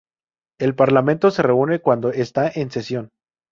El parlamento se reúne cuando está en sesión.